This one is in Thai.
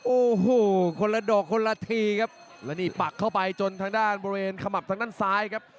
โอ้โหคนละดอกคนละทีครับแล้วนี่ปักเข้าไปจนทางด้านบริเวณขมับทางด้านซ้ายครับ